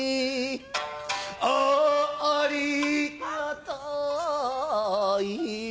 あぁありがたい